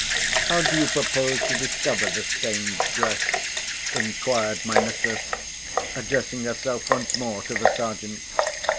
"How do you propose to discover the stained dress?" inquired my mistress, addressing herself once more to the Sergeant.